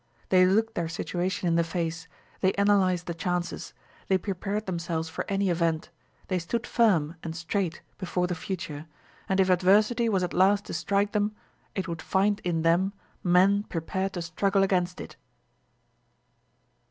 They looked their situation in the face, they analyzed the chances, they prepared themselves for any event, they stood firm and straight before the future, and if adversity was at last to strike them, it would find in them men prepared to struggle against it.